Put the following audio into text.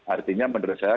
artinya menurut saya